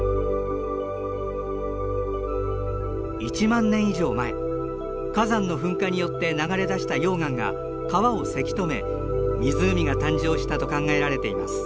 １万年以上前火山の噴火によって流れ出した溶岩が川をせき止め湖が誕生したと考えられています。